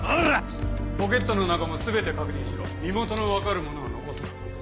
ポケットの中も全て確認しろ身元の分かる物は残すな。